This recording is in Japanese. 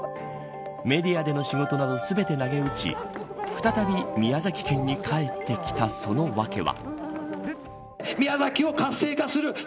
メディアでの仕事など全て投げ打ち再び宮崎県に帰ってきたその訳は。